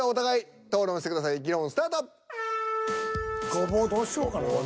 ゴボウどうしようかな。